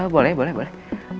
boleh boleh boleh